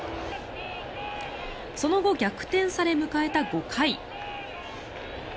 その後、逆転され迎えた５回。